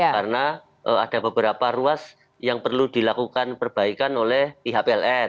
karena ada beberapa ruas yang perlu dilakukan perbaikan oleh ihpln